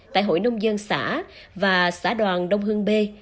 tại hội nông dân xã và xã đoàn đông hương b